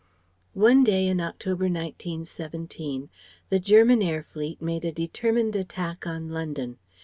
One day in October, 1917, the German air fleet made a determined attack on London.